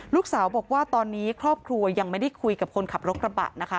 ลูกสาวบอกว่าตอนนี้ครอบครัวยังไม่ได้คุยกับคนขับรถกระบะนะคะ